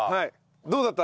どうだった？